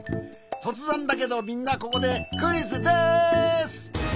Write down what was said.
とつぜんだけどみんなここでクイズです！